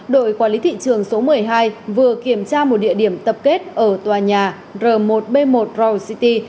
đội quản lý thị trường số một mươi hai vừa kiểm tra một địa điểm tập kết ở tòa nhà r một b một royal city